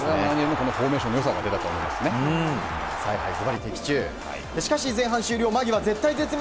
このフォーメーションの良さが出たと思います。